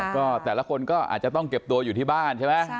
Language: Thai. ก็แต่ละคนก็อาจจะต้องเก็บตัวอยู่ที่บ้านใช่ไหม